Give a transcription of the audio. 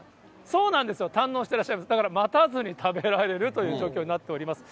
そうなんですよ、だから待たずに食べられるという状況になっております。